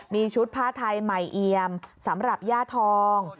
มีชุดผ้าไทยใหม่เอียมสำหรับย่าทอง